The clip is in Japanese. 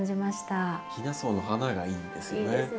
ヒナソウの花がいいんですよね。